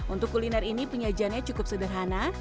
untuk kuliner ini penyajiannya cukup sederhana